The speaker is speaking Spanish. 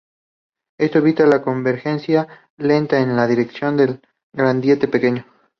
Esto evita la convergencia lenta en la dirección del gradiente pequeño.